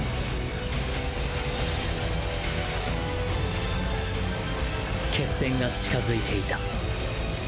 現在決戦が近づいていた。